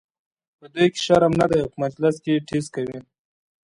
په دوی کې شرم نه دی او په مجلس کې ټیز کوي.